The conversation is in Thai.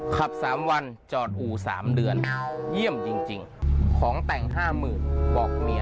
ขับ๓วันจอดอู่๓เดือนเยี่ยมจริงของแต่ง๕๐๐๐บอกเมีย